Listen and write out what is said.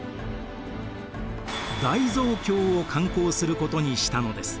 大蔵経を刊行することにしたのです。